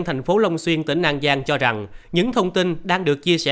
thành phố long xuyên tỉnh an giang cho rằng những thông tin đang được chia sẻ